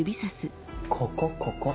ここここ。